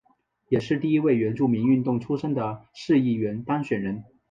也是第一位原住民运动出身的市议员当选人。